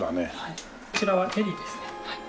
こちらはＥｒｉですね。